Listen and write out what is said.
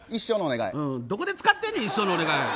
どこで使ってんねん一生のお願い。